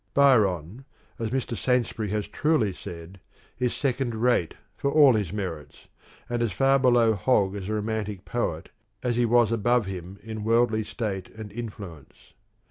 Byron, as Mr. Saintsbury has truly said, is second rate for all his merits, and as far below Hogg as a Romantic Poet as he was above him in worldly state and influ ence.